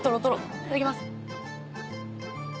いただきます。